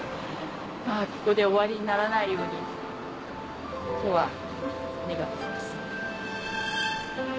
あここで終わりにならないようにとは願っています。